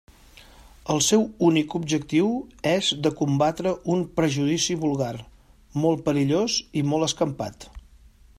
El seu únic objectiu és de combatre un prejudici vulgar, molt perillós i molt escampat.